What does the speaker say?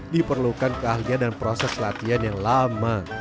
diperlukan keahlian dan proses latihan yang lama